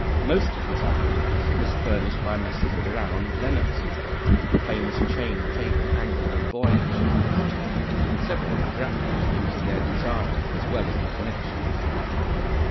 Most of this apparatus was furnished by Messrs. Brown, Lenox & Co., the famous chain, cable, anchor, and buoy engineers, several of the grapnels being to their design, as well as the "connections."